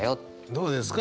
どうですか？